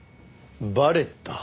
バレた？